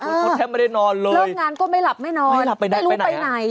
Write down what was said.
เขาแทบไม่ได้นอนเลยเลิกงานก็ไม่หลับไม่นอนหลับไปได้ไม่รู้ไปไหน